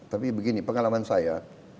tapi begini pengalaman saya